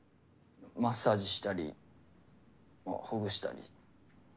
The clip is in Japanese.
マッサージしたりほぐしたり。